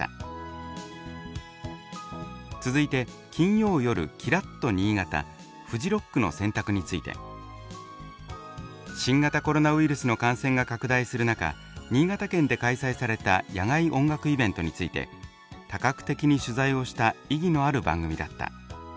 続いて金よう夜きらっと新潟「フジロックの“選択”」について「新型コロナウイルスの感染が拡大する中新潟県で開催された野外音楽イベントについて多角的に取材をした意義のある番組だった。